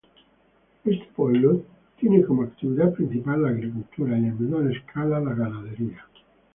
Este pueblo tiene como actividad principal la agricultura y en menor escala la ganadería.